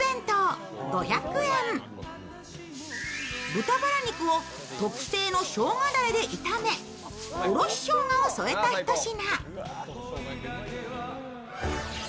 豚バラ肉を特製のしょうがだれで炒めおろししょうがを添えたひと品。